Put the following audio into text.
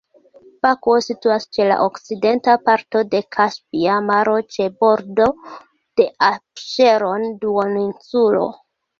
Bakuo situas ĉe la okcidenta parto de Kaspia Maro, ĉe bordo de Apŝeron-duoninsulo.